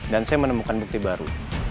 dan saya menemukan bukti baru